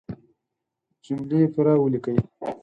جملې پوره وليکئ!